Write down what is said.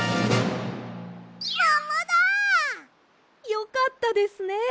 よかったですね。